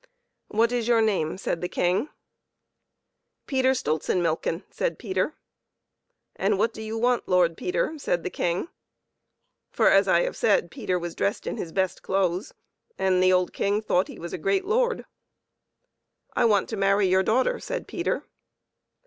" What is your name ?" said the King. " Peter Stultzenmilchen," said Peter. " And what do you want, Lord Peter," said the King; for, as I have said, Peter was dressed in his best clothes, and the old King thought that he was a great lord. Palace upon his* fine. Horse " I want to marry your daughter," said Peter.